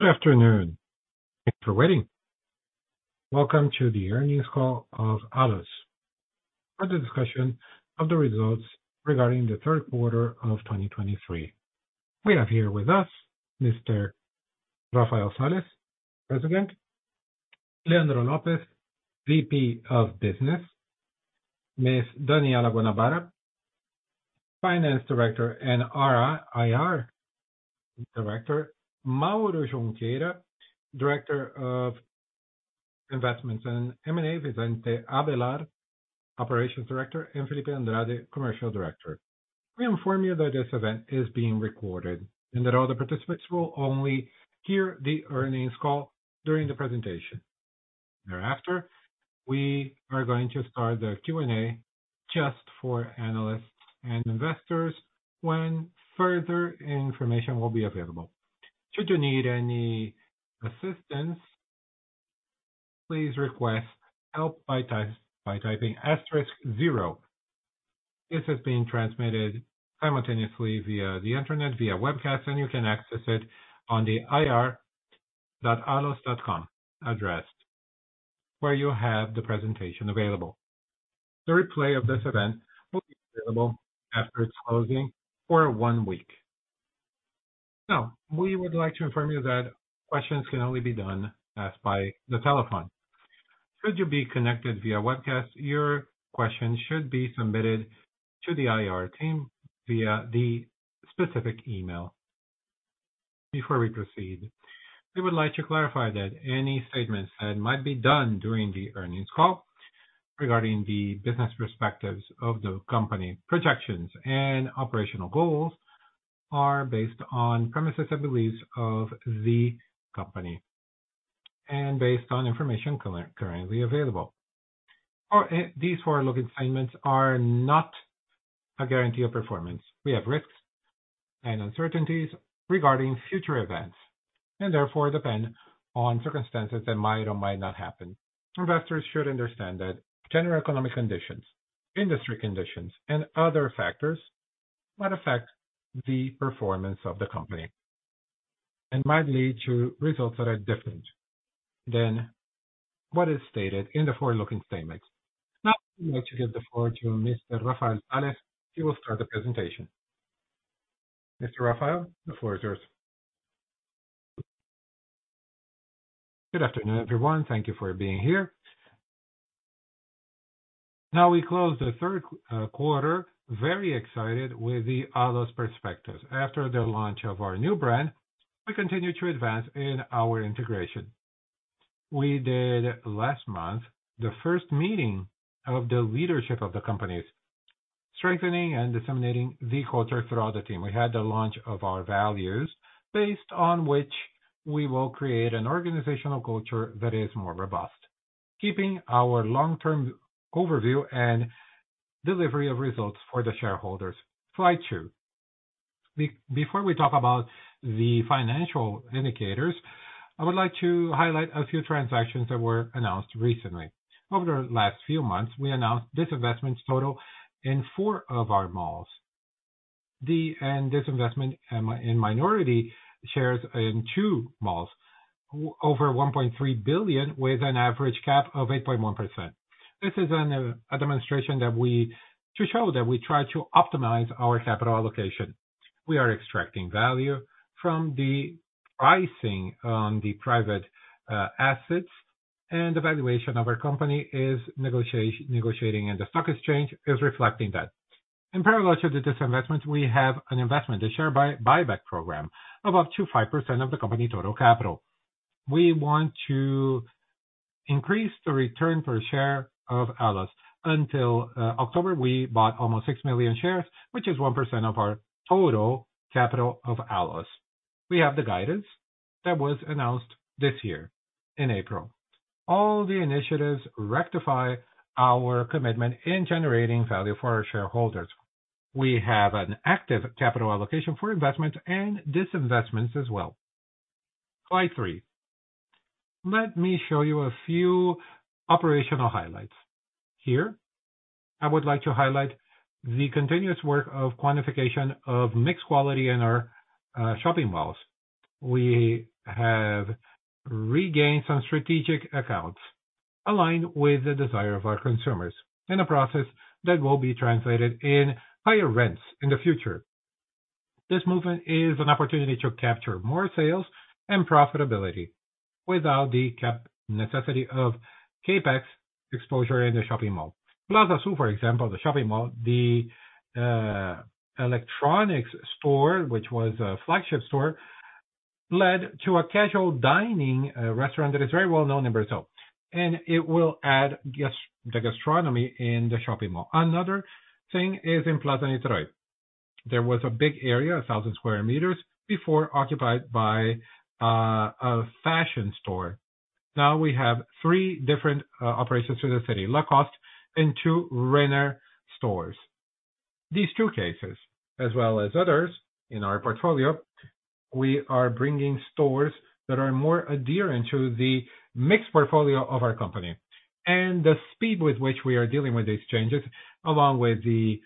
Good afternoon. Thanks for waiting. Welcome to the earnings call of ALLOS for the discussion of the results regarding the third quarter of 2023. We have here with us Mr. Rafael Sales, President, Leandro Lopes, VP of Business, Miss Daniella Guanabara, Finance Director and IR Director, Mauro Junqueira, Director of Investments and M&A, Vicente Avellar, Operations Director, and Felipe Andrade, Commercial Director. We inform you that this event is being recorded, and that all the participants will only hear the earnings call during the presentation. Thereafter, we are going to start the Q&A just for analysts and investors, when further information will be available. Should you need any assistance, please request help by typing asterisk zero. This is being transmitted simultaneously via the Internet, via webcast, and you can access it on the ir.allos.com address, where you have the presentation available. The replay of this event will be available after its closing for one week. Now, we would like to inform you that questions can only be done, asked by the telephone. Should you be connected via webcast, your questions should be submitted to the IR team via the specific email. Before we proceed, we would like to clarify that any statements that might be done during the earnings call regarding the business perspectives of the company, projections, and operational goals, are based on premises and beliefs of the company, and based on information currently available. Or, these forward-looking statements are not a guarantee of performance. We have risks and uncertainties regarding future events, and therefore depend on circumstances that might or might not happen. Investors should understand that general economic conditions, industry conditions, and other factors might affect the performance of the company, and might lead to results that are different than what is stated in the forward-looking statements. Now, I'd like to give the floor to Mr. Rafael Sales. He will start the presentation. Mr. Rafael, the floor is yours. Good afternoon, everyone. Thank you for being here. Now, we close the third quarter, very excited with the ALLOS perspectives. After the launch of our new brand, we continue to advance in our integration. We did, last month, the first meeting of the leadership of the companies, strengthening and disseminating the culture throughout the team. We had the launch of our values, based on which we will create an organizational culture that is more robust, keeping our long-term overview and delivery of results for the shareholders. Slide two. Before we talk about the financial indicators, I would like to highlight a few transactions that were announced recently. Over the last few months, we announced disinvestment total in four of our malls. And disinvestment in minority shares in two malls, over 1.3 billion, with an average cap of 8.1%. This is a demonstration to show that we try to optimize our capital allocation. We are extracting value from the pricing on the private assets, and the valuation of our company is negotiating, and the stock exchange is reflecting that. In parallel to the disinvestment, we have an investment, a share buyback program of up to 5% of the company total capital. We want to increase the return per share of ALLOS. Until October, we bought almost 6 million shares, which is 1% of our total capital of ALLOS. We have the guidance that was announced this year in April. All the initiatives rectify our commitment in generating value for our shareholders. We have an active capital allocation for investment and disinvestment as well. Slide three. Let me show you a few operational highlights. Here, I would like to highlight the continuous work of quantification of mixed quality in our shopping malls. We have regained some strategic accounts aligned with the desire of our consumers, in a process that will be translated in higher rents in the future. This movement is an opportunity to capture more sales and profitability without the necessity of CapEx exposure in the shopping mall. Plaza Sul, for example, the shopping mall, the electronics store, which was a flagship store, led to a casual dining restaurant that is very well known in Brazil, and it will add guest-- the gastronomy in the shopping mall. Another thing is in Plaza Niterói. There was a big area, 1,000 square meters, before occupied by a fashion store. Now we have three different operations through the city, Lacoste and two Renner stores. These two cases, as well as others in our portfolio, we are bringing stores that are more adherent to the mixed portfolio of our company. And the speed with which we are dealing with these changes, along with the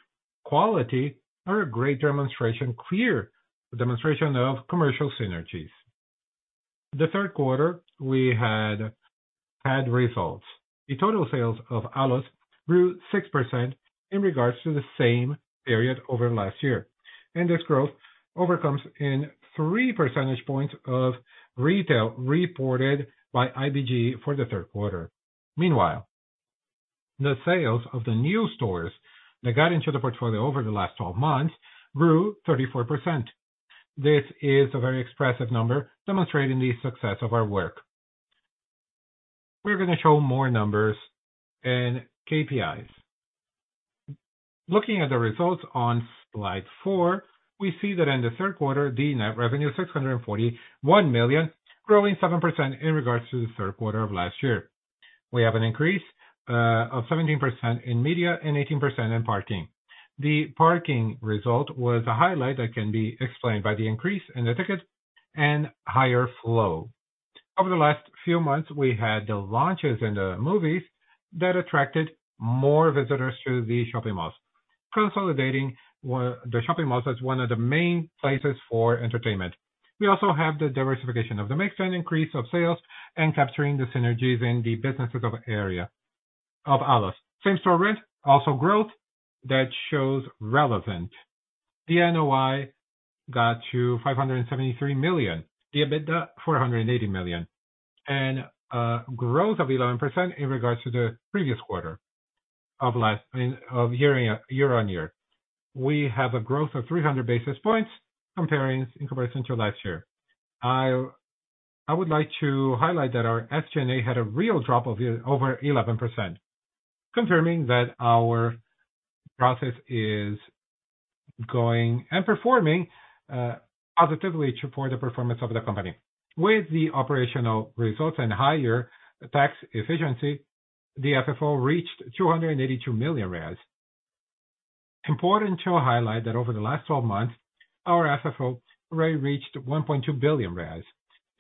quality are a great demonstration, clear demonstration of commercial synergies. The third quarter, we had had results. The total sales of ALLOS grew 6% in regards to the same period over last year, and this growth overcomes in three percentage points of retail reported by IBGE for the third quarter. Meanwhile, the sales of the new stores that got into the portfolio over the last 12 months grew 34%. This is a very expressive number demonstrating the success of our work. We're gonna show more numbers and KPIs. Looking at the results on Slide 4, we see that in the third quarter, the net revenue, 641 million, growing 7% in regards to the third quarter of last year. We have an increase of 17% in media and 18% in parking. The parking result was a highlight that can be explained by the increase in the tickets and higher flow. Over the last few months, we had the launches in the movies that attracted more visitors to the shopping malls, consolidating the shopping malls as one of the main places for entertainment. We also have the diversification of the mix and increase of sales and capturing the synergies in the businesses of area of ALLOS. Same store rent also growth that shows relevant. The NOI got to 573 million, the EBITDA, 480 million, and growth of 11% in regards to the previous quarter of year on year, we have a growth of 300 basis points comparing, in comparison to last year. I would like to highlight that our SG&A had a real drop of over 11%, confirming that our process is going and performing positively for the performance of the company. With the operational results and higher tax efficiency, the FFO reached 282 million. Important to highlight that over the last twelve months, our FFO already reached 1.2 billion reais.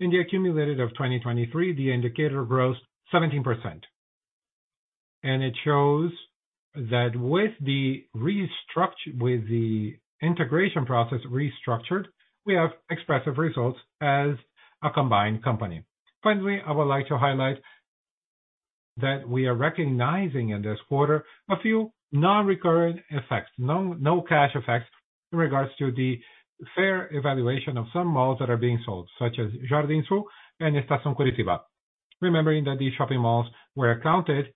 In the accumulated of 2023, the indicator grows 17%, and it shows that with the integration process restructured, we have expressive results as a combined company. Finally, I would like to highlight that we are recognizing in this quarter a few non-recurrent effects, no, no cash effects in regards to the fair evaluation of some malls that are being sold, such as Jardim Sul and Estação Curitiba. Remembering that these shopping malls were accounted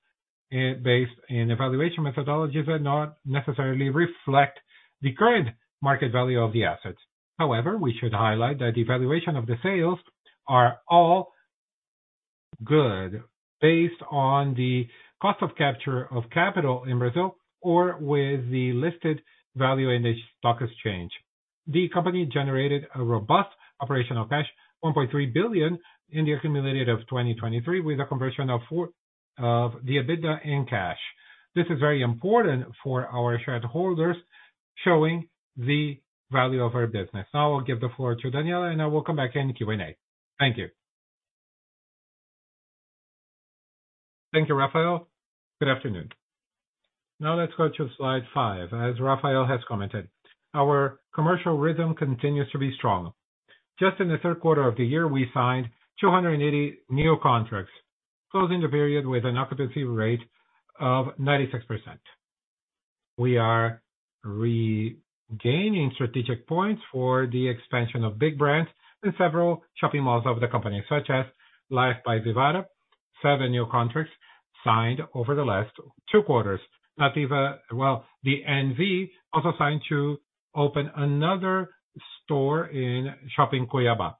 based in evaluation methodologies that not necessarily reflect the current market value of the assets. However, we should highlight that the evaluation of the sales are all good based on the cost of capture of capital in Brazil or with the listed value in the stock exchange. The company generated a robust operational cash, 1.3 billion in the accumulated of 2023, with a conversion of 40% of the EBITDA in cash. This is very important for our shareholders, showing the value of our business. Now I will give the floor to Daniella, and I will come back in Q&A. Thank you. Thank you, Rafael. Good afternoon. Now let's go to Slide 5. As Rafael has commented, our commercial rhythm continues to be strong. Just in the third quarter of the year, we signed 280 new contracts, closing the period with an occupancy rate of 96%. We are regaining strategic points for the expansion of big brands in several shopping malls of the company, such as Life by Vivara. Seven new contracts signed over the last two quarters. Nativa, well, the NV also signed to open another store in Shopping Cuiabá.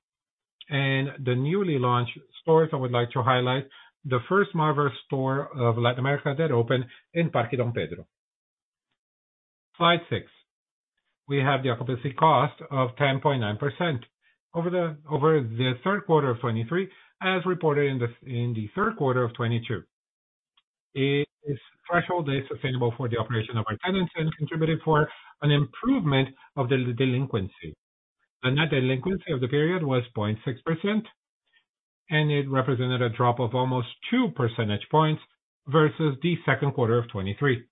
And the newly launched stores, I would like to highlight the first Marvel store of Latin America that opened in Parque Dom Pedro. Slide six. We have the occupancy cost of 10.9% over the third quarter of 2023, as reported in the third quarter of 2022. Its threshold is sustainable for the operation of our tenants and contributed for an improvement of the delinquency. The net delinquency of the period was 0.6%, and it represented a drop of almost 2 percentage points versus the second quarter of 2023.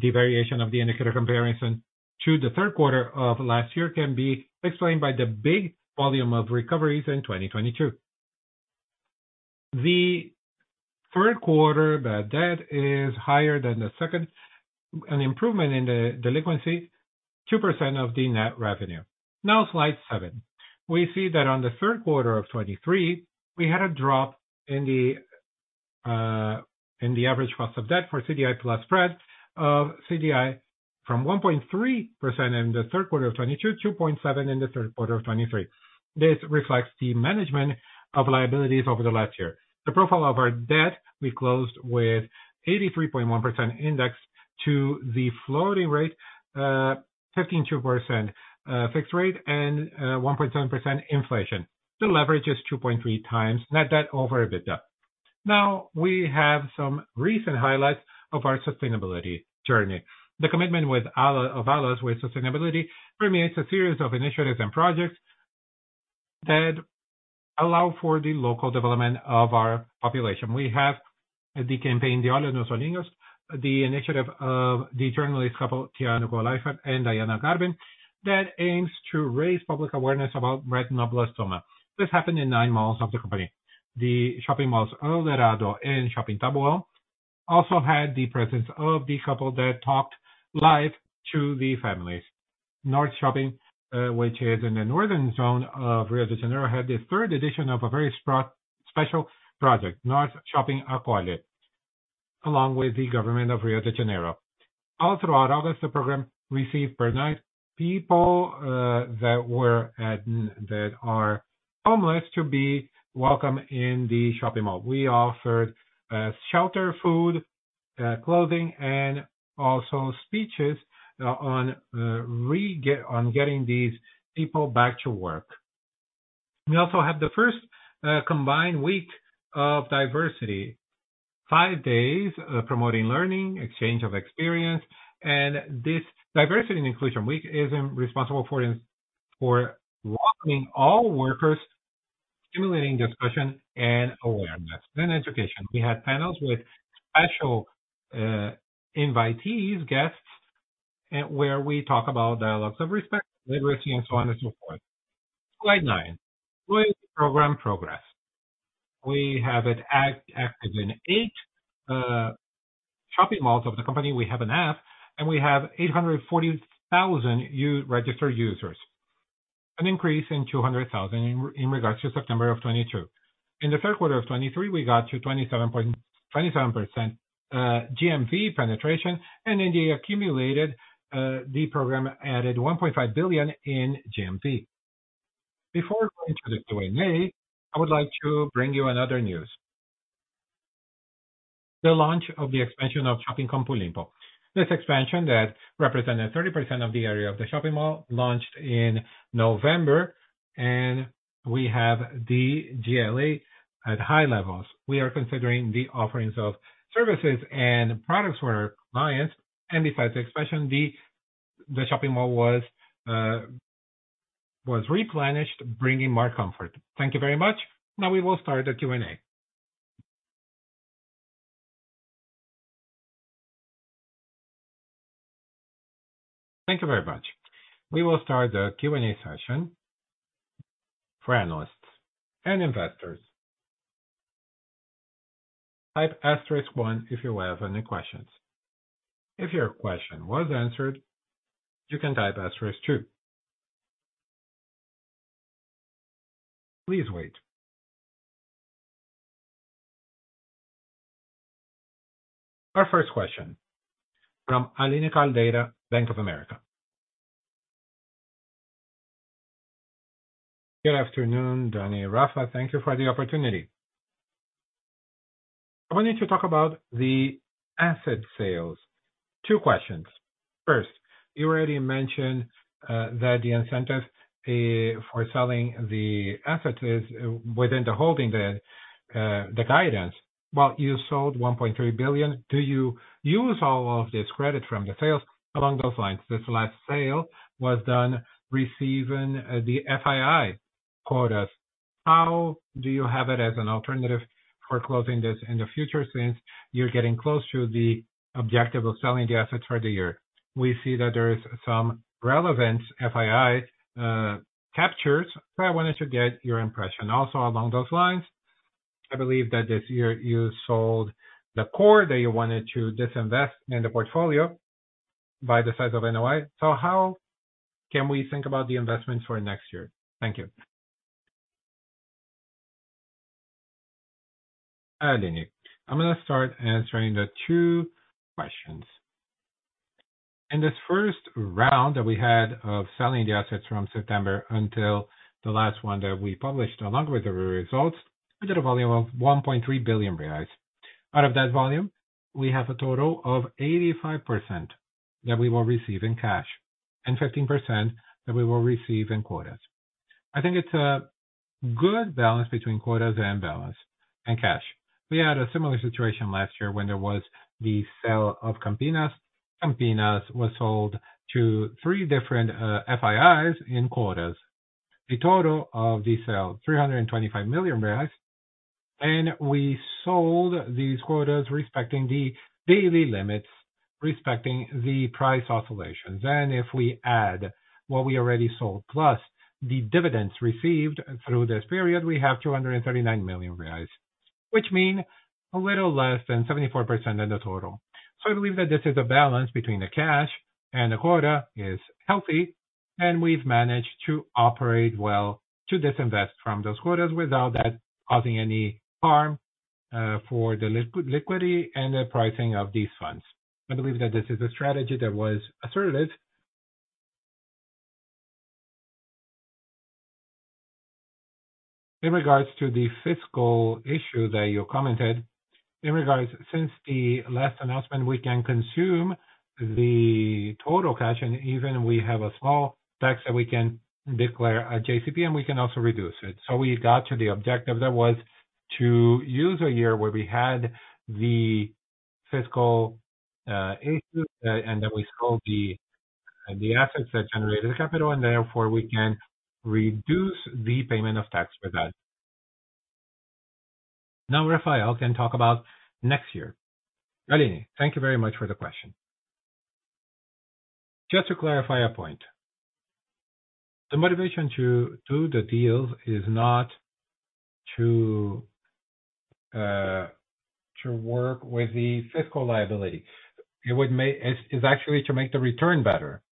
The variation of the indicator comparison to the third quarter of last year can be explained by the big volume of recoveries in 2022. The third quarter, the debt is higher than the second. An improvement in the delinquency, 2% of the net revenue. Now, Slide 7. We see that on the third quarter of 2023, we had a drop in the average cost of debt for CDI plus spread of CDI from 1.3% in the third quarter of 2022 to 2.7% in the third quarter of 2023. This reflects the management of liabilities over the last year. The profile of our debt, we closed with 83.1% index to the floating rate, 52%, fixed rate and 1.7% inflation. The leverage is 2.3x net debt over EBITDA. Now, we have some recent highlights of our sustainability journey. The commitment with ALLOS-- of ALLOS with sustainability permeates a series of initiatives and projects that allow for the local development of our population. We have the campaign, De Olho nos Olhinhos, the initiative of the journalist couple, Tiago Leifert and Daiana Garbin, that aims to raise public awareness about retinoblastoma. This happened in nine malls of the company. The shopping malls, Eldorado and Shopping Taboão, also had the presence of the couple that talked live to the families. North Shopping, which is in the northern zone of Rio de Janeiro, had the third edition of a very special project, North Shopping Acolhe, along with the government of Rio de Janeiro. All throughout August, the program received per night, people that are homeless to be welcome in the shopping mall. We offered shelter, food, clothing, and also speeches on getting these people back to work. We also have the first combined week of diversity. Five days promoting learning, exchange of experience, and this diversity and inclusion week is responsible for welcoming all workers, stimulating discussion and awareness and education. We had panels with special invitees, guests, and where we talk about dialogues of respect, literacy, and so on and so forth. Slide 9. Loyalty program progress. We have it active in eight shopping malls of the company. We have an app, and we have 840,000 registered users, an increase in 200,000 in regards to September of 2022. In the third quarter of 2023, we got to 27 point. 27% GMV penetration, and in the accumulated, the program added 1.5 billion in GMV. Before going to the Q&A, I would like to bring you another news. The launch of the expansion of Shopping Campo Limpo. This expansion that represented 30% of the area of the shopping mall, launched in November, and we have the GLA at high levels. We are considering the offerings of services and products for our clients, and besides the expansion, the shopping mall was replenished, bringing more comfort. Thank you very much. Now we will start the Q&A. Thank you very much. We will start the Q&A session for analysts and investors. Type asterisk one if you have any questions. If your question was answered, you can type asterisk two. Please wait. Our first question from Aline Caldeira, Bank of America. Good afternoon, Dani and Rafa. Thank you for the opportunity. I wanted to talk about the asset sales. Two questions. First, you already mentioned that the incentives for selling the assets is within the holding, the guidance. Well, you sold 1.3 billion. Do you use all of this credit from the sales along those lines? This last sale was done receiving the FII quotas. How do you have it as an alternative for closing this in the future, since you're getting close to the objective of selling the assets for the year? We see that there is some relevant FII captures, so I wanted to get your impression. Also, along those lines, I believe that this year you sold the core, that you wanted to disinvest in the portfolio by the size of NOI. So how can we think about the investments for next year? Thank you. Aline, I'm gonna start answering the two questions. In this first round that we had of selling the assets from September until the last one that we published, along with the results, we did a volume of 1.3 billion reais. Out of that volume, we have a total of 85% that we will receive in cash and 15% that we will receive in quotas. I think it's a good balance between quotas and balance and cash. We had a similar situation last year when there was the sale of Campinas. Campinas was sold to three different FIIs in quotas. The total of the sale, 325 million reais, and we sold these quotas respecting the daily limits, respecting the price oscillations. And if we add what we already sold, plus the dividends received through this period, we have 239 million reais, which mean a little less than 74% of the total. So I believe that this is a balance between the cash and the quota is healthy, and we've managed to operate well to disinvest from those quotas without that causing any harm for the liquidity and the pricing of these funds. I believe that this is a strategy that was asserted. In regards to the fiscal issue that you commented, since the last announcement, we can consume the total cash, and even we have a small tax that we can declare at JCP, and we can also reduce it. So we got to the objective that was to use a year where we had the-- Fiscal issue, and then we sold the assets that generated the capital, and therefore we can reduce the payment of tax for that. Now, Rafael can talk about next year. Aline, thank you very much for the question. Just to clarify a point, the motivation to do the deals is not to work with the fiscal liability. It's actually to make the return better.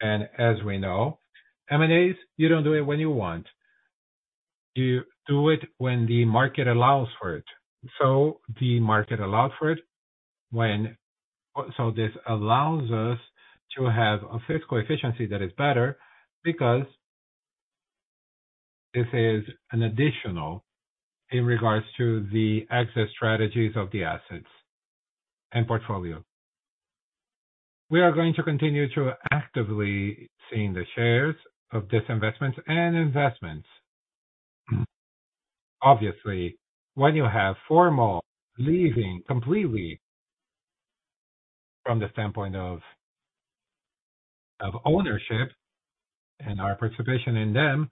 And as we know, M&As, you don't do it when you want. You do it when the market allows for it. So the market allowed for it, so this allows us to have a fiscal efficiency that is better because this is an additional in regards to the exit strategies of the assets and portfolio. We are going to continue to actively seeing the shares of disinvestments and investments. Obviously, when you have formal leaving completely from the standpoint of, of ownership and our participation in them,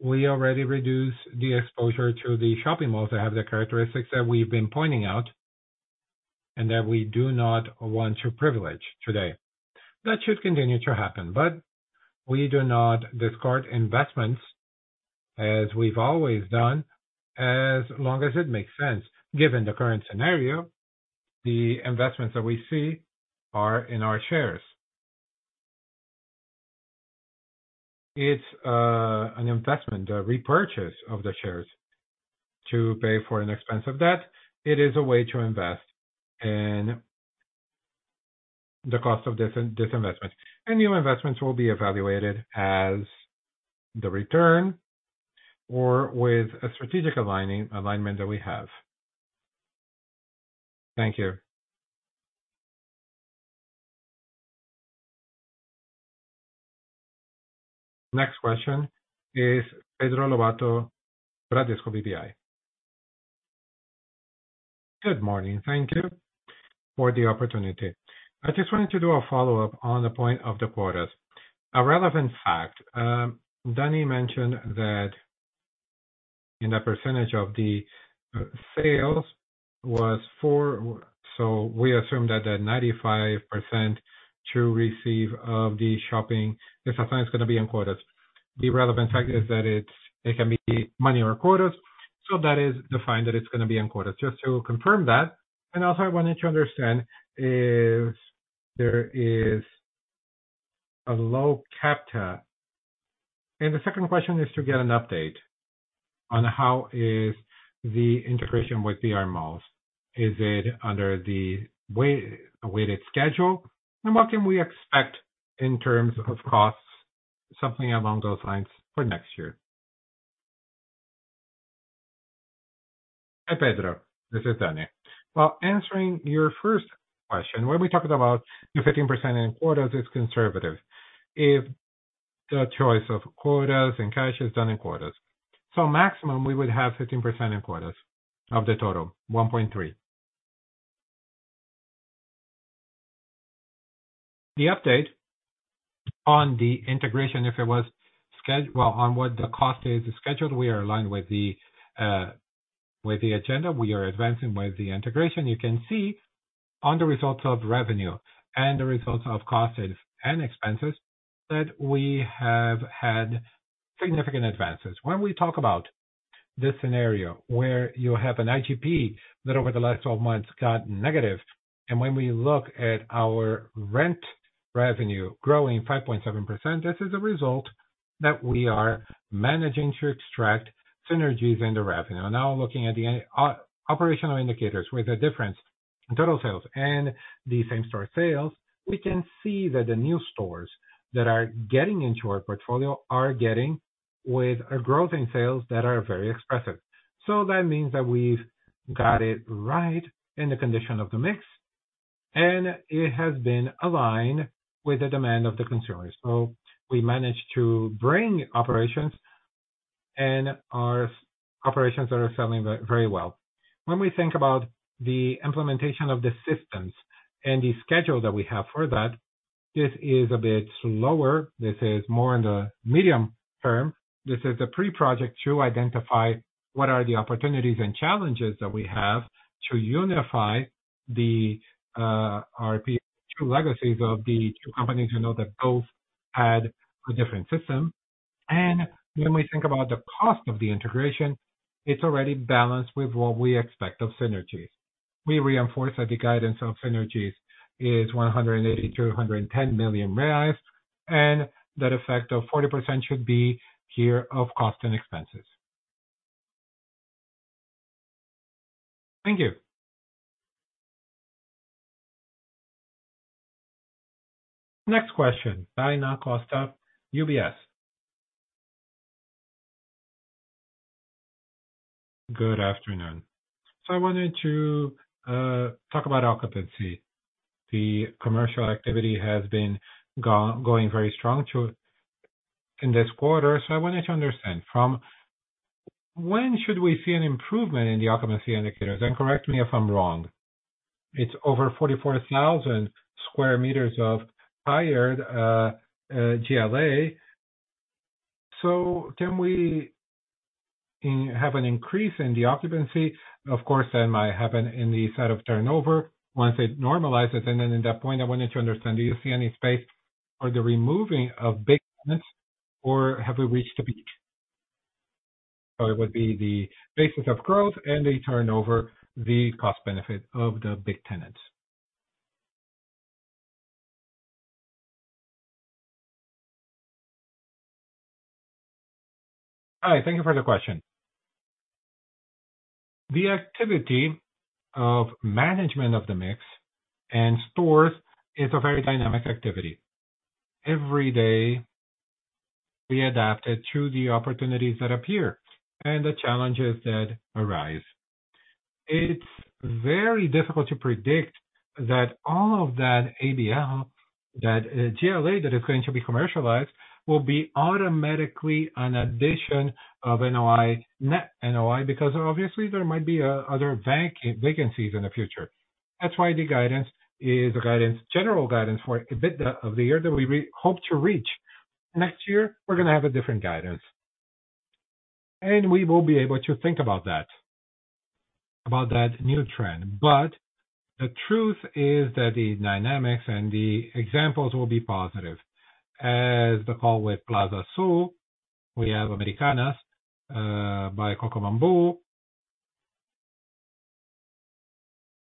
we already reduced the exposure to the shopping malls that have the characteristics that we've been pointing out, and that we do not want to privilege today. That should continue to happen, but we do not discard investments as we've always done, as long as it makes sense. Given the current scenario, the investments that we see are in our shares. It's an investment, a repurchase of the shares to pay for an expense of debt. It is a way to invest in the cost of disinvestment, and new investments will be evaluated as the return or with a strategic alignment that we have. Thank you. Next question is Pedro Lobato, Bradesco BBI. Good morning. Thank you for the opportunity. I just wanted to do a follow-up on the point of the quotas. A relevant fact, Dani mentioned that in the percentage of the sales was 4%. So we assume that the 95% to receive of the shopping, this assign is gonna be in quotas. The relevant fact is that it can be money or quotas, so that is defined, that it's gonna be in quotas. Just to confirm that, and also I wanted to understand, is there a low capita? And the second question is to get an update on how is the integration with BRMalls. Is it under the way-awaited schedule? And what can we expect in terms of costs, something along those lines for next year? Hi, Pedro. This is Dani. Well, answering your first question, when we talked about the 15% in quotas is conservative, if the choice of quotas and cash is done in quotas. So maximum, we would have 15% in quotas of the total, 1.3. The update on the integration, well, on what the cost is, the schedule, we are aligned with the, with the agenda. We are advancing with the integration. You can see on the results of revenue and the results of costs and expenses, that we have had significant advances. When we talk about this scenario where you have an IGP that over the last 12 months got negative, and when we look at our rent revenue growing 5.7%, this is a result that we are managing to extract synergies in the revenue. Now, looking at the operational indicators with a difference in total sales and the same store sales, we can see that the new stores that are getting into our portfolio are getting with a growth in sales that are very expressive. So that means that we've got it right in the condition of the mix, and it has been aligned with the demand of the consumers. So we managed to bring operations, and our operations are selling very, very well. When we think about the implementation of the systems and the schedule that we have for that, this is a bit slower. This is more in the medium term. This is a pre-project to identify what are the opportunities and challenges that we have to unify the RP, two legacies of the two companies. You know, that both had a different system. When we think about the cost of the integration, it's already balanced with what we expect of synergies. We reinforce that the guidance of synergies is 180 million-110 million reais, and that effect of 40% should be here of cost and expenses. Thank you. Next question, Tainan Costa, UBS. Good afternoon. So I wanted to talk about occupancy. The commercial activity has been going very strong in this quarter. So I wanted to understand, from when should we see an improvement in the occupancy indicators? And correct me if I'm wrong, it's over 44,000 square meters of hired GLA. So can we have an increase in the occupancy? Of course, that might happen in the set of turnover once it normalizes. Then in that point, I wanted to understand, do you see any space for the removing of big tenants, or have we reached a peak? So it would be the basis of growth and the turnover, the cost benefit of the big tenants. Hi, thank you for the question. The activity of management of the mix and stores is a very dynamic activity. Every day, we adapt it to the opportunities that appear and the challenges that arise. It's very difficult to predict that all of that ABL, that GLA that is going to be commercialized, will be automatically an addition of NOI, net NOI, because obviously there might be other vacancies in the future. That's why the guidance is a guidance, general guidance for EBITDA of the year that we hope to reach. Next year, we're going to have a different guidance, and we will be able to think about that, about that new trend. But the truth is that the dynamics and the examples will be positive. As the call with Plaza Sul, we have Americanas by Coco Bambu.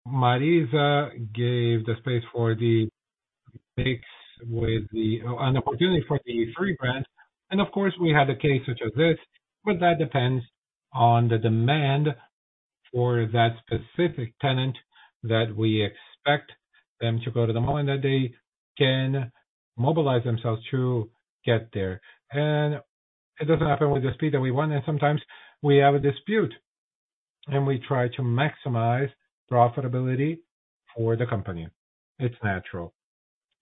Marisa gave the space for the mix with an opportunity for the free brand, and of course, we had a case such as this, but that depends on the demand for that specific tenant, that we expect them to go to the mall, and that they can mobilize themselves to get there. And it doesn't happen with the speed that we want, and sometimes we have a dispute, and we try to maximize profitability for the company. It's natural.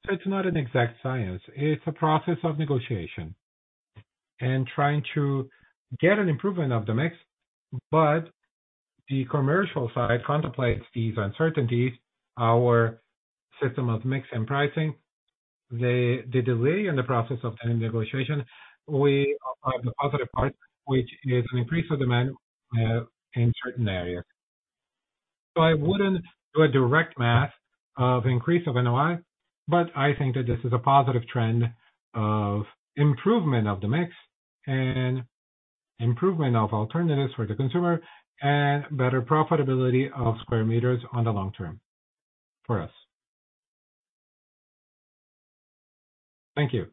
So it's not an exact science. It's a process of negotiation and trying to get an improvement of the mix. But the commercial side contemplates these uncertainties. Our system of mix and pricing, the delay in the process of turning negotiation, we, the positive part, which is an increase of demand in certain areas. So I wouldn't do a direct math of increase of NOI, but I think that this is a positive trend of improvement of the mix and improvement of alternatives for the consumer, and better profitability of square meters on the long term for us. Thank you.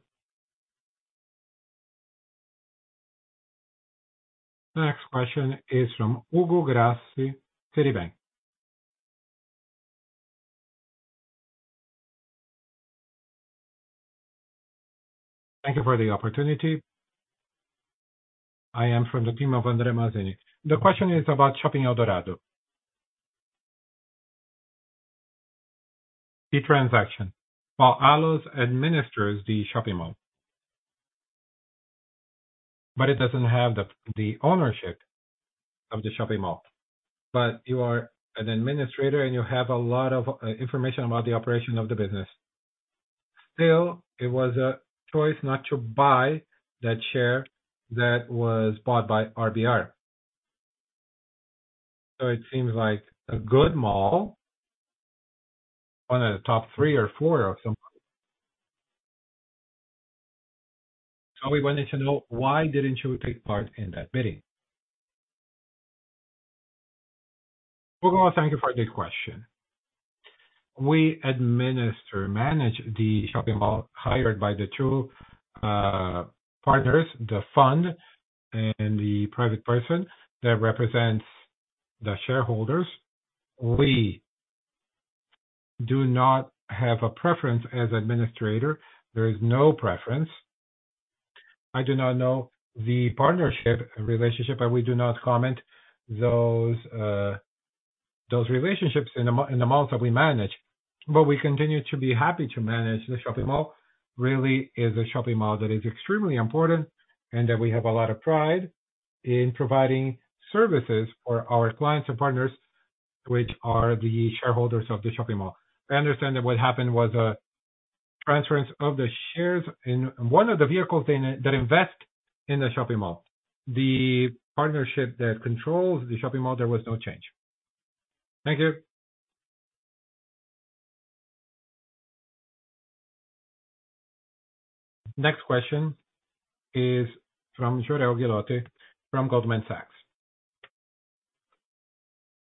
Next question is from Hugo Grassi, Citibank. Thank you for the opportunity. I am from the team of André Mazini. The question is about Shopping Eldorado. The transaction, while ALLOS administers the shopping mall, but it doesn't have the ownership of the shopping mall. But you are an administrator, and you have a lot of information about the operation of the business. Still, it was a choice not to buy that share that was bought by RBR. So it seems like a good mall, one of the top three or four or something. So we wanted to know, why didn't you take part in that bidding? Hugo, thank you for the question. We administer, manage the shopping mall hired by the two partners, the fund and the private person that represents the shareholders. We do not have a preference as administrator. There is no preference. I do not know the partnership relationship, and we do not comment those relationships in the malls that we manage. But we continue to be happy to manage the shopping mall. Really is a shopping mall that is extremely important and that we have a lot of pride in providing services for our clients and partners, which are the shareholders of the shopping mall. I understand that what happened was a transference of the shares in one of the vehicles that invest in the shopping mall. The partnership that controls the shopping mall, there was no change. Thank you. Next question is from Jorel Guilloty from Goldman Sachs.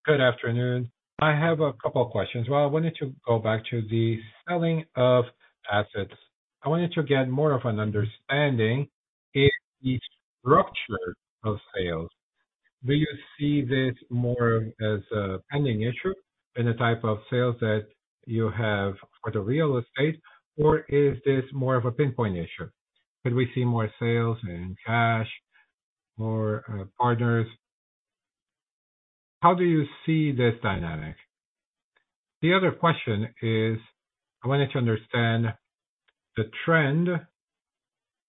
Good afternoon. I have a couple of questions. Well, I wanted to go back to the selling of assets. I wanted to get more of an understanding if the structure of sales, do you see this more as a pending issue in the type of sales that you have for the real estate, or is this more of a pinpoint issue? Could we see more sales in cash, more, partners?... How do you see this dynamic? The other question is, I wanted to understand the trend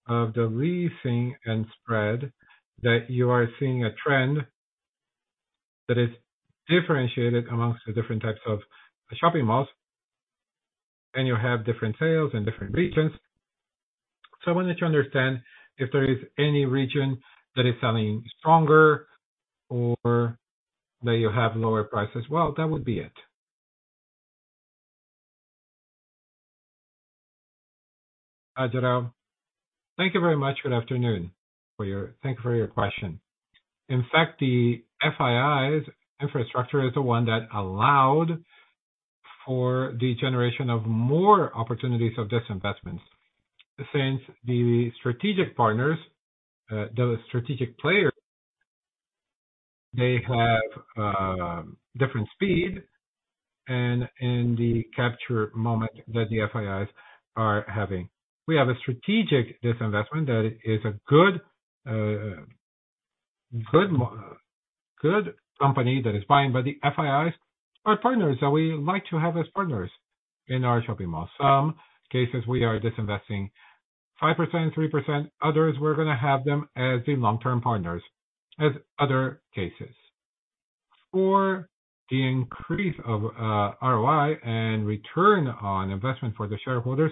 of the leasing and spread, that you are seeing a trend that is differentiated among the different types of shopping malls, and you have different sales in different regions. So I wanted to understand if there is any region that is selling stronger or that you have lower prices. Well, that would be it. Hi, Jorel. Thank you very much. Good afternoon. For your-- Thank you for your question. In fact, the FIIs infrastructure is the one that allowed for the generation of more opportunities of disinvestment. Since the strategic partners, the strategic players, they have different speed and in the capture moment that the FIIs are having. We have a strategic disinvestment that is a good company that is buying, but the FIIs are partners that we like to have as partners in our shopping mall. Some cases, we are disinvesting 5%, 3%. Others, we're gonna have them as the long-term partners, as other cases. For the increase of ROI and return on investment for the shareholders,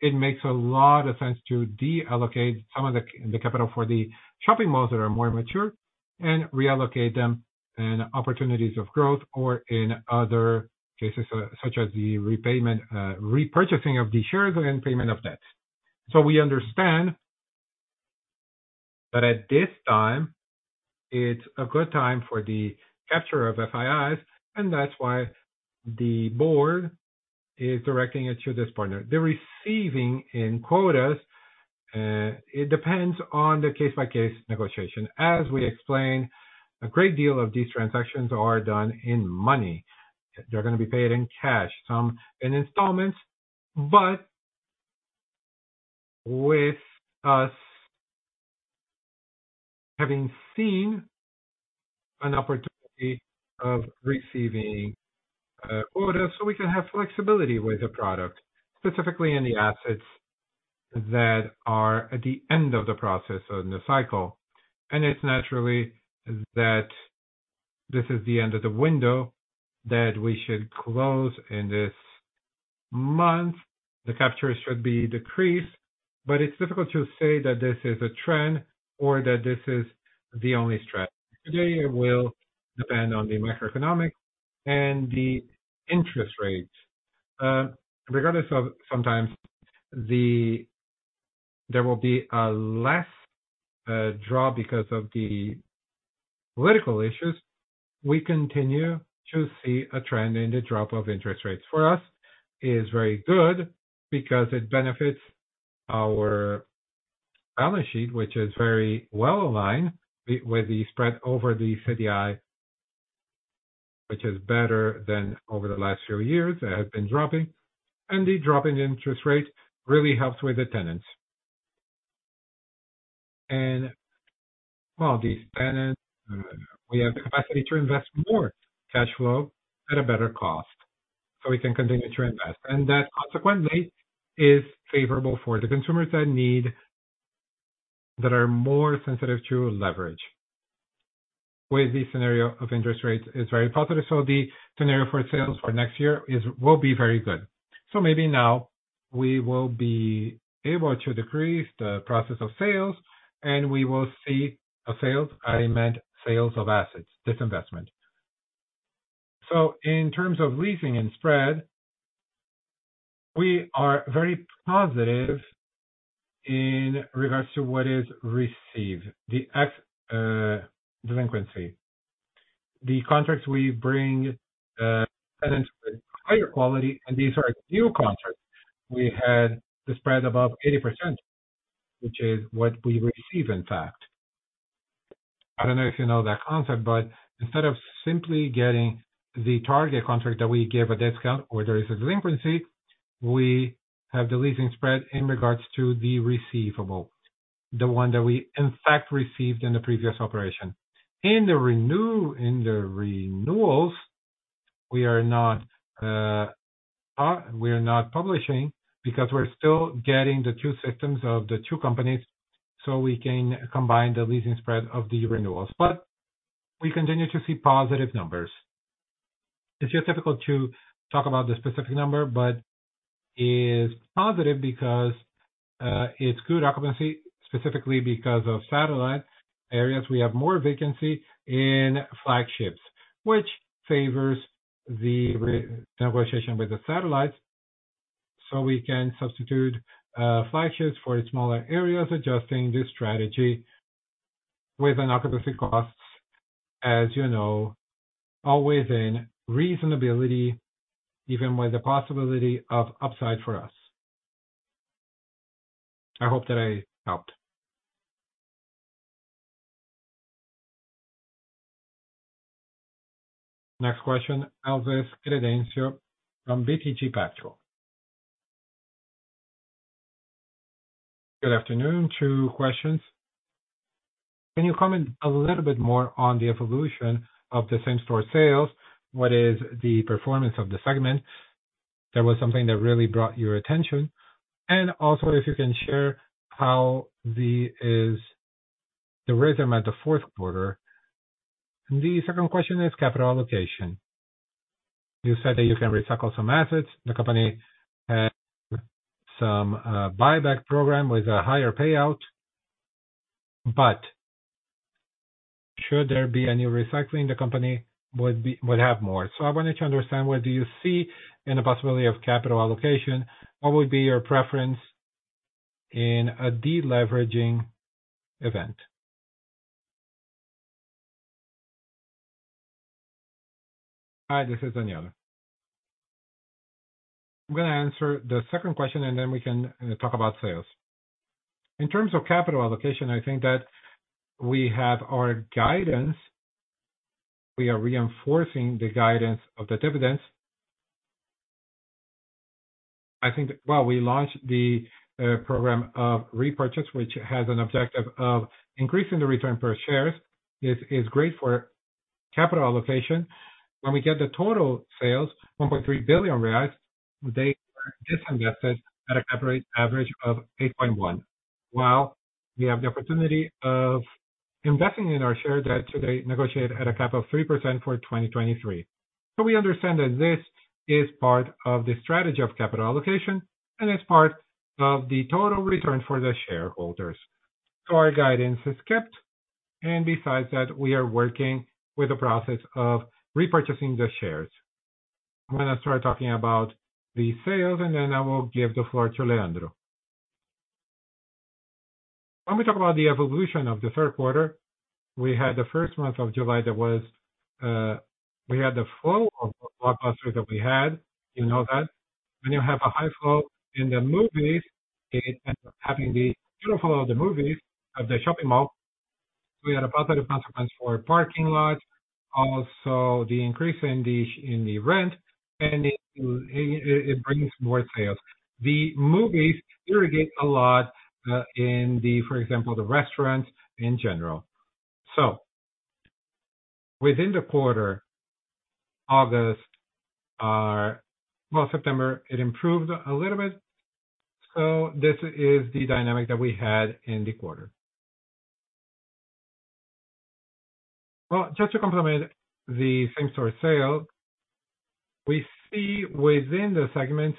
it makes a lot of sense to deallocate some of the capital for the shopping malls that are more mature and reallocate them in opportunities of growth or in other cases, such as the repayment, repurchasing of the shares and then payment of debt. So we understand that at this time, it's a good time for the capture of FIIs, and that's why the board is directing it to this partner. The receiving in quotas, it depends on the case-by-case negotiation. As we explained, a great deal of these transactions are done in money. They're gonna be paid in cash, some in installments, but with us having seen an opportunity of receiving, orders, so we can have flexibility with the product, specifically in the assets that are at the end of the process or in the cycle. And it's naturally that this is the end of the window that we should close in this month. The capture should be decreased, but it's difficult to say that this is a trend or that this is the only strategy. Today, it will depend on the macroeconomic and the interest rates. Regardless of sometimes the there will be a less drop because of the political issues, we continue to see a trend in the drop of interest rates. For us, is very good because it benefits our balance sheet, which is very well aligned with the spread over the CDI, which is better than over the last few years. It has been dropping, and the drop in interest rates really helps with the tenants. Well, these tenants, we have the capacity to invest more cash flow at a better cost, so we can continue to invest. That, consequently, is favorable for the consumers that need... that are more sensitive to leverage. With this scenario of interest rates, it's very positive, so the scenario for sales for next year is, will be very good. So maybe now we will be able to decrease the process of sales, and we will see a sales. I meant sales of assets, disinvestment. So in terms of leasing and spread, we are very positive in regards to what is received, the actual delinquency. The contracts we bring tenants with higher quality, and these are new contracts. We had the spread above 80%, which is what we receive, in fact. I don't know if you know that concept, but instead of simply getting the target contract that we give a discount or there is a delinquency, we have the leasing spread in regards to the receivable, the one that we in fact received in the previous operation. In the renewals, we are not publishing because we're still getting the two systems of the two companies, so we can combine the leasing spread of the renewals. But we continue to see positive numbers. It's just difficult to talk about the specific number, but is positive because it's good occupancy, specifically because of satellite areas. We have more vacancy in flagships, which favors the renegotiation with the satellites, so we can substitute flagships for smaller areas, adjusting the strategy with an occupancy costs, as you know, always in reasonability, even with the possibility of upside for us. I hope that I helped. Next question, Elvis Credendio from BTG Pactual. Good afternoon. Two questions. Can you comment a little bit more on the evolution of the same-store sales? What is the performance of the segment? That was something that really brought your attention. And also, if you can share how the rhythm at the fourth quarter. The second question is capital allocation. You said that you can recycle some assets. The company has some buyback program with a higher payout, but should there be any recycling, the company would be, would have more. So I wanted to understand, what do you see in the possibility of capital allocation? What would be your preference in a deleveraging event? Hi, this is Danilo. I'm gonna answer the second question, and then we can talk about sales. In terms of capital allocation, I think that we have our guidance. We are reinforcing the guidance of the dividends. I think... Well, we launched the program of repurchase, which has an objective of increasing the return per shares. It is great for capital allocation. When we get the total sales, 1.3 billion reais, they are disinvested at a cap rate average of 8.1. While we have the opportunity of investing in our shares, that today negotiate at a cap of 3% for 2023. So we understand that this is part of the strategy of capital allocation, and it's part of the total return for the shareholders. So our guidance is kept, and besides that, we are working with the process of repurchasing the shares. I'm gonna start talking about the sales, and then I will give the floor to Leandro. When we talk about the evolution of the third quarter, we had the first month of July, that was. We had the flow of blockbusters that we had, you know that. When you have a high flow in the movies, it ends up having the benefit of the movies at the shopping mall. We had a positive consequence for parking lots, also the increase in the rent, and it brings more sales. The movies attract a lot, for example, the restaurants in general. So within the quarter, August, well, September, it improved a little bit. So this is the dynamic that we had in the quarter. Well, just to complement the same-store sale, we see within the segment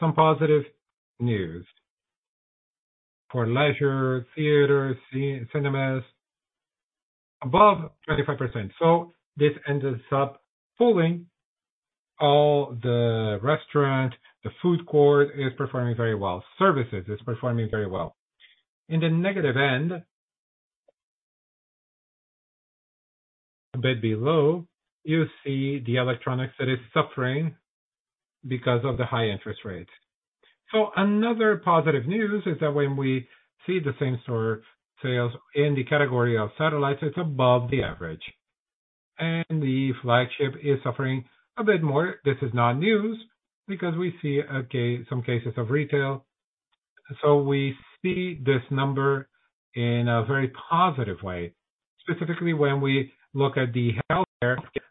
some positive news. For leisure, theaters, cinemas, above 25%, so this ends up pulling all the restaurant, the food court is performing very well. Services is performing very well. In the negative end, a bit below, you see the electronics that is suffering because of the high interest rates. So another positive news is that when we see the same-store sales in the category of satellites, it's above the average, and the flagship is suffering a bit more. This is not news, because we see some cases of retail. So we see this number in a very positive way, specifically when we look at the health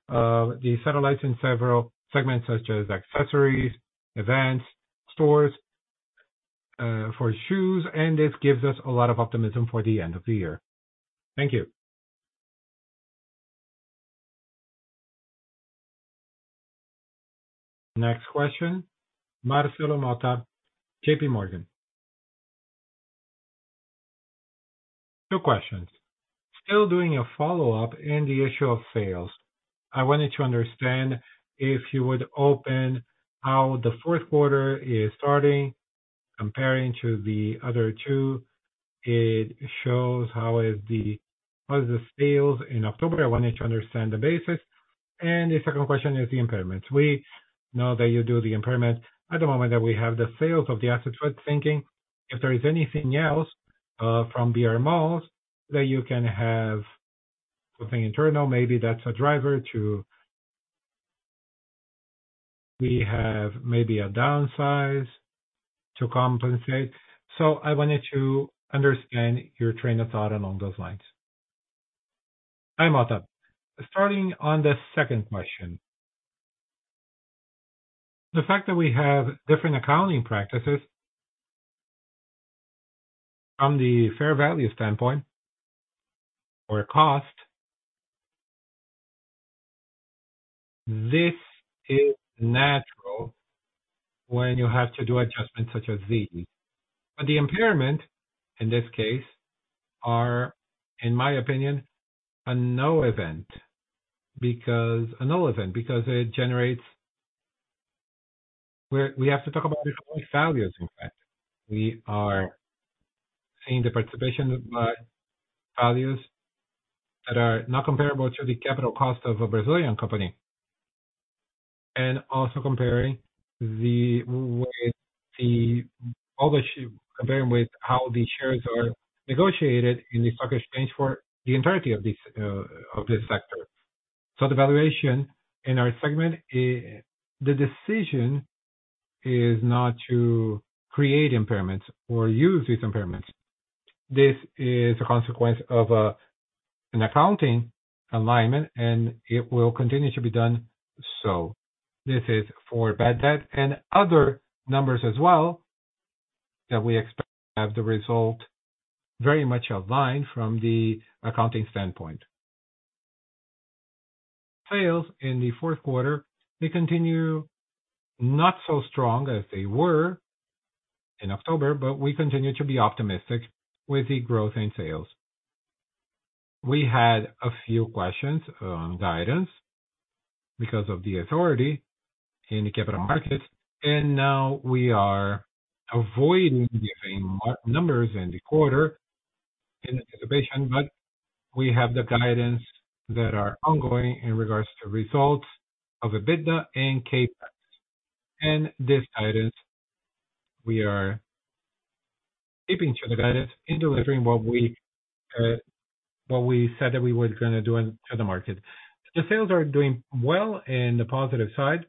of the satellites in several segments, such as accessories, events, stores, for shoes, and this gives us a lot of optimism for the end of the year. Thank you. Next question, Marcelo Motta, J.P. Morgan. Two questions. Still doing a follow-up in the issue of sales. I wanted to understand if you would open how the fourth quarter is starting, comparing to the other two. It shows how is the sales in October. I wanted to understand the basis. And the second question is the impairments. We know that you do the impairment at the moment that we have the sales of the assets. We're thinking if there is anything else, from BRMalls, that you can have something internal, maybe that's a driver to... We have maybe a downsize to compensate. So I wanted to understand your train of thought along those lines. Hi, Motta. Starting on the second question, the fact that we have different accounting practices from the fair value standpoint or cost, this is natural when you have to do adjustments such as these. But the impairment, in this case, are, in my opinion, a no event, because a no event, because it generates... We, we have to talk about the values, in fact. We are seeing the participation of values that are not comparable to the capital cost of a Brazilian company, and also comparing the way the... Comparing with how the shares are negotiated in the stock exchange for the entirety of this of this sector. So the valuation in our segment is, the decision is not to create impairments or use these impairments. This is a consequence of an accounting alignment, and it will continue to be done. So this is for bad debt and other numbers as well, that we expect to have the result very much aligned from the accounting standpoint. Sales in the fourth quarter, they continue not so strong as they were in October, but we continue to be optimistic with the growth in sales. We had a few questions on guidance because of the authority in the capital markets, and now we are avoiding giving mar- numbers in the quarter in anticipation. But we have the guidance that are ongoing in regards to results of EBITDA and CapEx. This guidance, we are keeping to the guidance in delivering what we said that we were gonna do into the market. The sales are doing well in the positive side,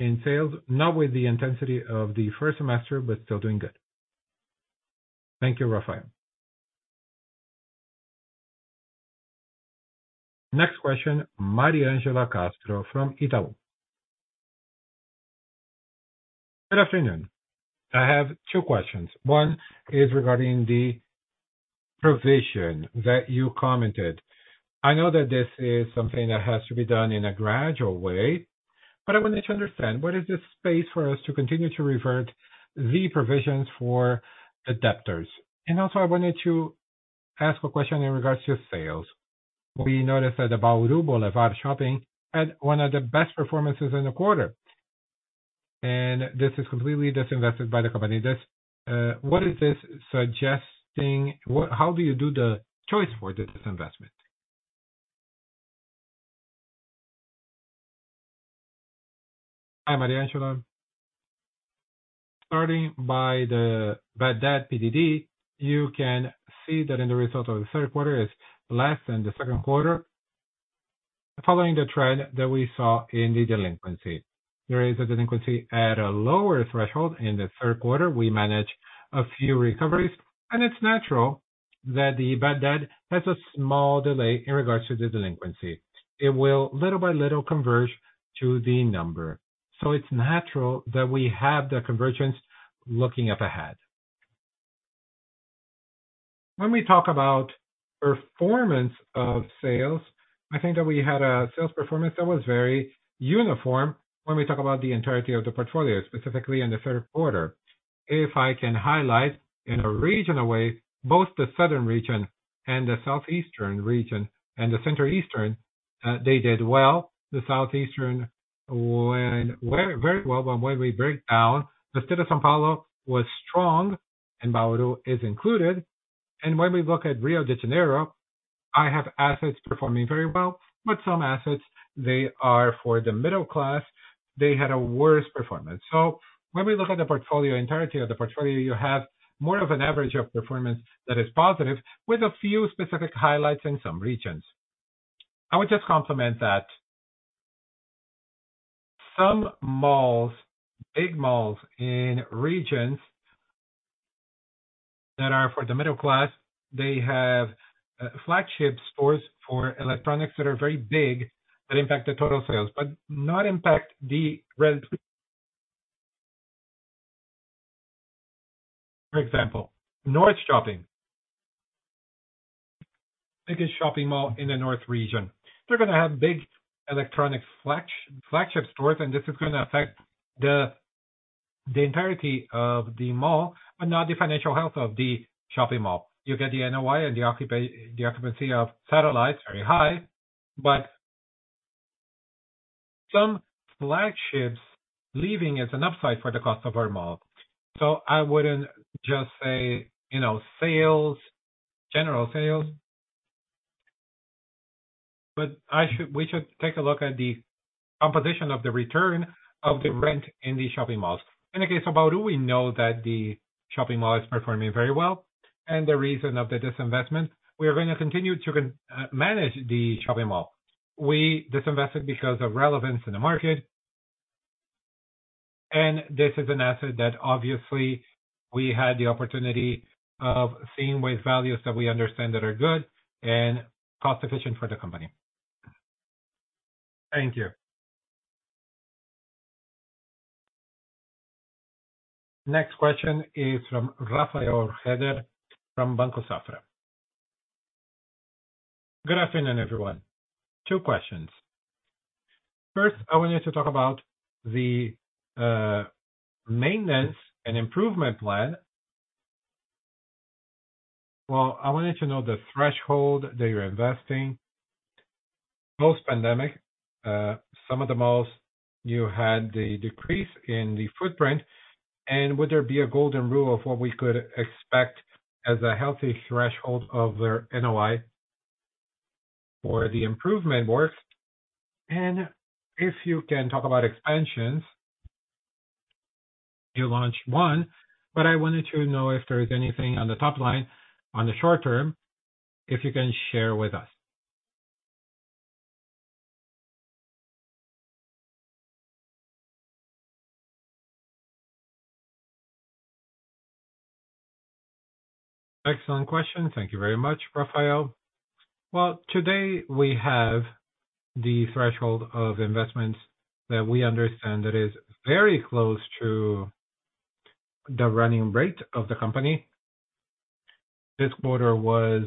in sales, not with the intensity of the first semester, but still doing good. Thank you, Rafael. Next question, Maria Angela Castro from Itaú. Good afternoon. I have two questions. One is regarding the provision that you commented. I know that this is something that has to be done in a gradual way, but I wanted to understand, what is the space for us to continue to revert the provisions for PDDs? And also I wanted to ask a question in regards to sales. We noticed that the Boulevard Shopping Bauru had one of the best performances in the quarter, and this is completely divested by the company. This, what is this suggesting? How do you do the choice for this investment? Hi, Maria Angela. Starting by the bad debt, PDD, you can see that in the result of the third quarter is less than the second quarter, following the trend that we saw in the delinquency. There is a delinquency at a lower threshold. In the third quarter, we managed a few recoveries, and it's natural that the bad debt has a small delay in regards to the delinquency. It will little by little converge to the number, so it's natural that we have the convergence looking up ahead. When we talk about performance of sales, I think that we had a sales performance that was very uniform when we talk about the entirety of the portfolio, specifically in the third quarter. If I can highlight in a regional way, both the southern region and the southeastern region and the central eastern, they did well. The southeastern went very, very well. But when we break down, the state of São Paulo was strong, and Bauru is included. And when we look at Rio de Janeiro, I have assets performing very well, but some assets, they are for the middle class, they had a worse performance. So when we look at the portfolio, entirety of the portfolio, you have more of an average of performance that is positive, with a few specific highlights in some regions. I would just complement that some malls, big malls in regions that are for the middle class, they have, flagship stores for electronics that are very big, that impact the total sales, but not impact the rent. For example, North Shopping, biggest shopping mall in the North region. They're gonna have big electronic flagship stores, and this is gonna affect the, the entirety of the mall, but not the financial health of the shopping mall. You get the NOI and the occupancy of satellites very high, but some flagships leaving is an upside for the cost of our mall. So I wouldn't just say, you know, sales, general sales, but we should take a look at the composition of the return of the rent in the shopping malls. In the case of Bauru, we know that the shopping mall is performing very well, and the reason of the disinvestment, we are going to continue to manage the shopping mall. We disinvested because of relevance in the market, and this is an asset that obviously we had the opportunity of seeing with values that we understand that are good and cost-efficient for the company. Thank you. Next question is from Rafael Hedder, from Banco Safra. Good afternoon, everyone. Two questions. First, I wanted to talk about the, maintenance and improvement plan. Well, I wanted to know the threshold that you're investing. Post-pandemic, some of the malls, you had the decrease in the footprint, and would there be a golden rule of what we could expect as a healthy threshold of their NOI for the improvement work? And if you can talk about expansions... you launch one, but I wanted to know if there is anything on the top line, on the short term, if you can share with us? Excellent question. Thank you very much, Rafael. Well, today we have the threshold of investments that we understand that is very close to the running rate of the company. This quarter was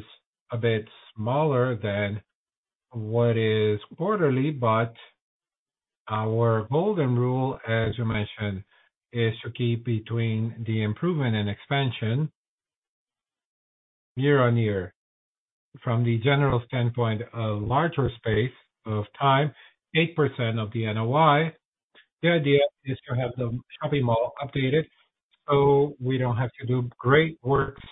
a bit smaller than what is quarterly, but our golden rule, as you mentioned, is to keep between the improvement and expansion year-on-year. From the general standpoint of larger space of time, 8% of the NOI. The idea is to have the shopping mall updated, so we don't have to do great works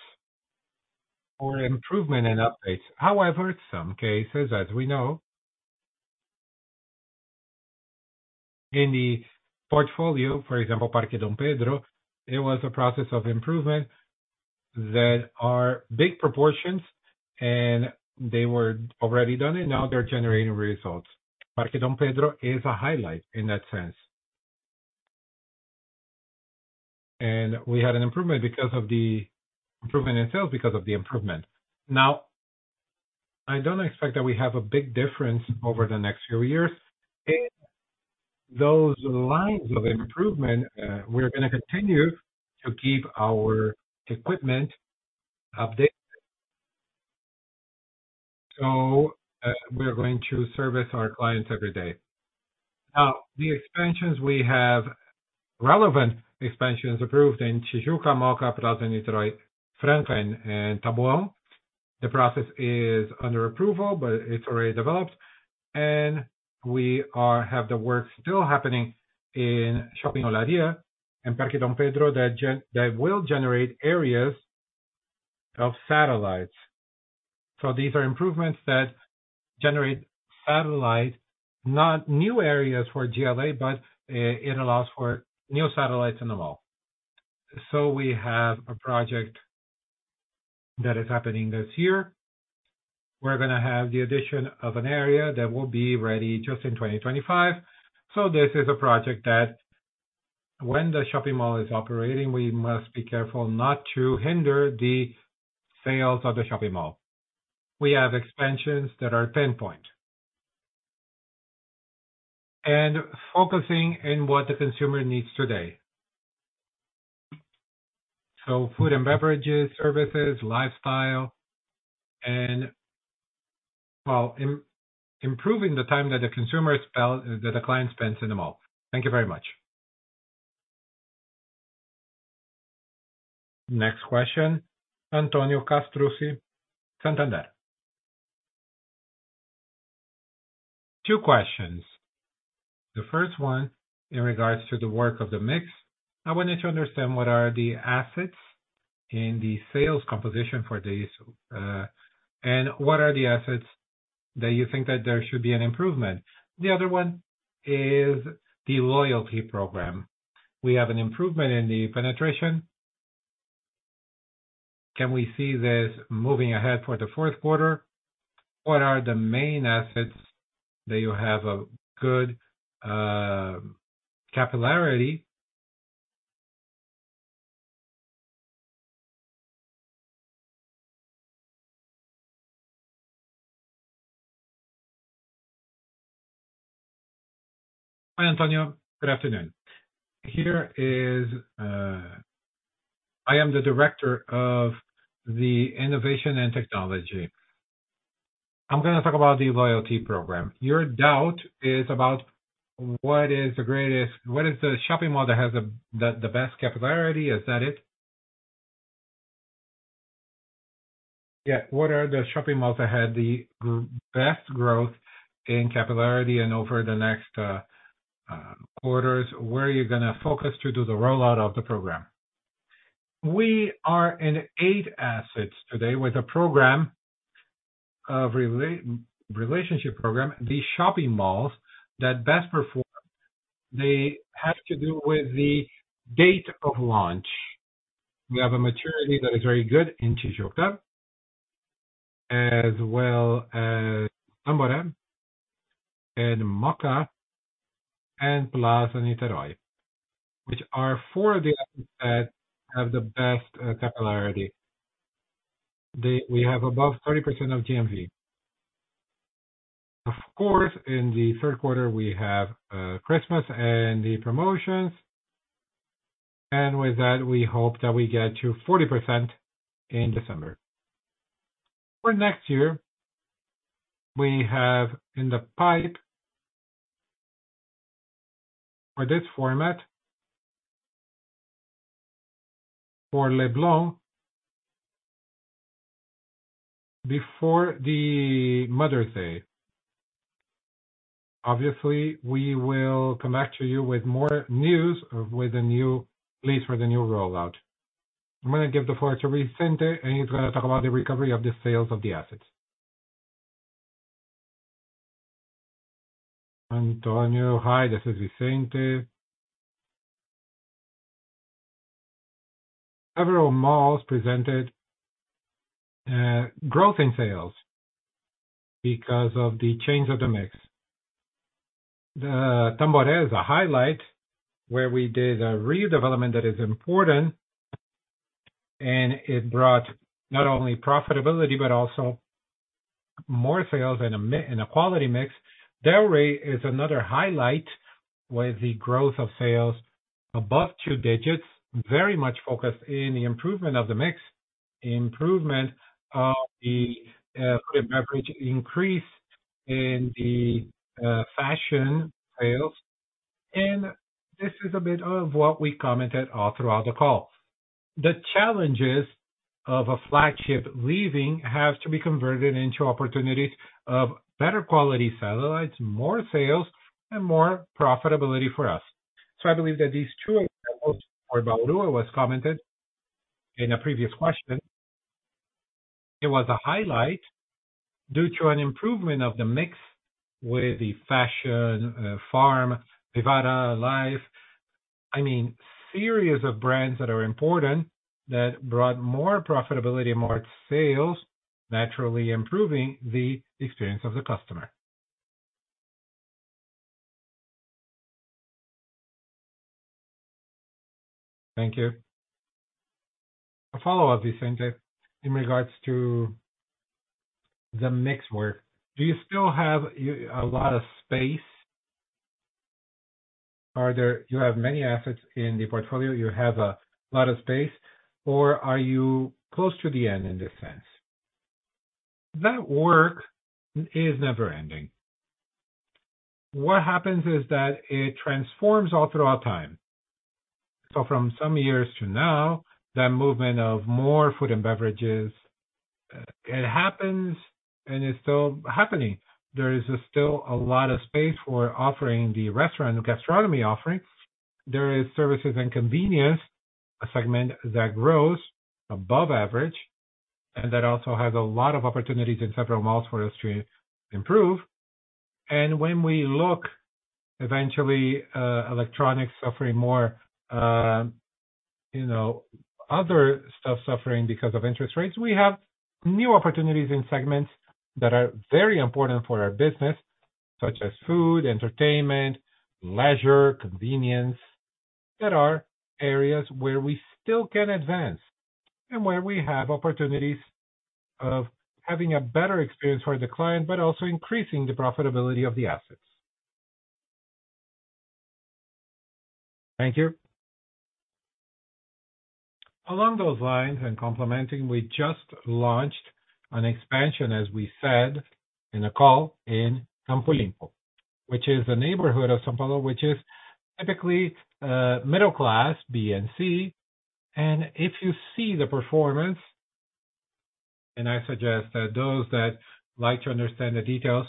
or improvement and updates. However, in some cases, as we know, in the portfolio, for example, Parque Dom Pedro, it was a process of improvement that are big proportions, and they were already done, and now they're generating results. Parque Dom Pedro is a highlight in that sense. And we had an improvement because of the improvement in sales because of the improvement. Now, I don't expect that we have a big difference over the next few years. In those lines of improvement, we're gonna continue to keep our equipment updated, so, we are going to service our clients every day. Now, the expansions we have, relevant expansions approved in Tijuca, Mooca, Plaza Niterói, Franca and Taboão. The process is under approval, but it's already developed, and we have the work still happening in Shopping de Bahia and Parque D. Pedro, that will generate areas of satellites. So these are improvements that generate satellite, not new areas for GLA, but, it allows for new satellites in the mall. So we have a project that is happening this year. We're gonna have the addition of an area that will be ready just in 2025. So this is a project that when the shopping mall is operating, we must be careful not to hinder the sales of the shopping mall. We have expansions that are pinpoint. And focusing in what the consumer needs today. So food and beverages, services, lifestyle, and, well, improving the time that the consumer spent... That the client spends in the mall. Thank you very much. Next question, Antonio Castrucci, Santander. Two questions. The first one, in regards to the work of the mix, I wanted to understand, what are the assets in the sales composition for this, and what are the assets that you think that there should be an improvement? The other one is the loyalty program. We have an improvement in the penetration. Can we see this moving ahead for the fourth quarter? What are the main assets that you have a good, capillarity? Hi, Antonio. Good afternoon. Here is, I am the director of the Innovation and Technology. I'm gonna talk about the loyalty program. Your doubt is about what is the greatest, what is the shopping mall that has the best capillarity, is that it? Yeah. What are the shopping malls that had the best growth in capillarity and over the next quarters, where you're gonna focus to do the rollout of the program? We are in eight assets today with a program of relationship program. The shopping malls that best perform, they have to do with the date of launch. We have a maturity that is very good in Tijuca, as well as Tamboré and Mooca and Plaza Niterói, which are four of the assets that have the best capillarity. They. We have above 30% of GMV. Of course, in the third quarter, we have Christmas and the promotions, and with that, we hope that we get to 40% in December. For next year, we have in the pipe, for this format, for Leblon, before the Mother's Day. Obviously, we will come back to you with more news, with a new place for the new rollout. I'm gonna give the floor to Vicente, and he's gonna talk about the recovery of the sales of the assets. Antonio. Hi, this is Vicente. Several malls presented growth in sales because of the change of the mix. The Tamboré is a highlight where we did a redevelopment that is important, and it brought not only profitability, but also more sales and a quality mix. Del Rey is another highlight, with the growth of sales above two digits, very much focused in the improvement of the mix, improvement of the food and beverage, increase in the fashion sales, and this is a bit of what we commented all throughout the call. The challenges of a flagship leaving have to be converted into opportunities of better quality satellites, more sales, and more profitability for us. So I believe that these two examples, where Bauru was commented in a previous question, it was a highlight due to an improvement of the mix with the fashion, Farm, Vivara, Life. I mean, series of brands that are important, that brought more profitability, more sales, naturally improving the experience of the customer. Thank you. A follow-up, Vicente, in regards to the mix work, do you still have a lot of space? Are there... You have many assets in the portfolio, you have a lot of space, or are you close to the end in this sense? That work is never ending. What happens is that it transforms all throughout time. So from some years to now, that movement of more food and beverages, it happens, and it's still happening. There is still a lot of space for offering the restaurant and gastronomy offering. There is services and convenience, a segment that grows above average, and that also has a lot of opportunities in several malls for us to improve. When we look, eventually, electronics suffering more, you know, other stuff suffering because of interest rates, we have new opportunities in segments that are very important for our business, such as food, entertainment, leisure, convenience, that are areas where we still can advance, and where we have opportunities of having a better experience for the client, but also increasing the profitability of the assets. Thank you. Along those lines and complementing, we just launched an expansion, as we said in the call, in Campo Limpo, which is a neighborhood of São Paulo, which is typically, middle class, B and C. And if you see the performance, and I suggest that those that like to understand the details,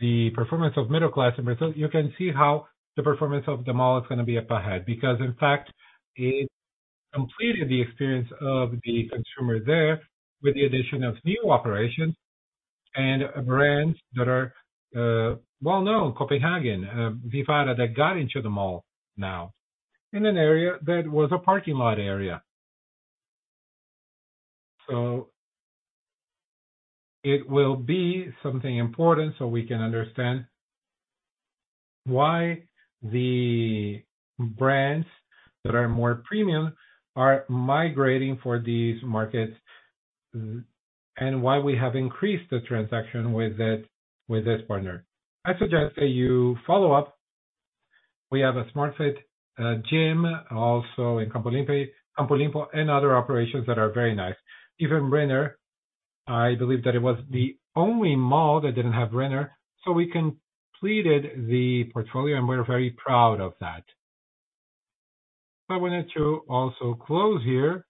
the performance of middle class in Brazil. You can see how the performance of the mall is gonna be up ahead, because, in fact, it completed the experience of the consumer there with the addition of new operations and brands that are well-known, Kopenhagen, Vivara, that got into the mall now, in an area that was a parking lot area. So it will be something important, so we can understand why the brands that are more premium are migrating for these markets, and why we have increased the transaction with it, with this partner. I suggest that you follow up. We have a Smart Fit gym, also in Campo Limpo, and other operations that are very nice. Even Renner, I believe that it was the only mall that didn't have Renner, so we completed the portfolio, and we're very proud of that. I wanted to also close here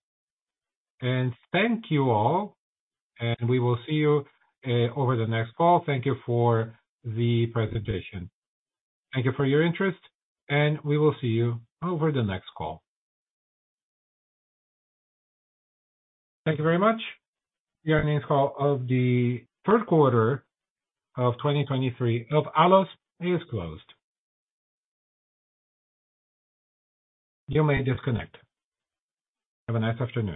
and thank you all, and we will see you over the next call. Thank you for the presentation. Thank you for your interest, and we will see you over the next call. Thank you very much. The earnings call of the third quarter of 2023 of ALLOS is closed. You may disconnect. Have a nice afternoon.